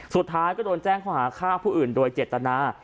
สุดท้ายก็โดนแจ้งข้อหาฆ่าผู้อื่นโดยเจตนา